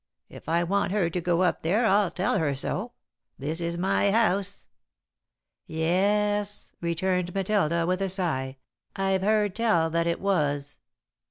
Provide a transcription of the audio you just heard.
If I want her to go up there, I'll tell her so. This is my house." "Yes," returned Matilda, with a sigh. "I've heard tell that it was."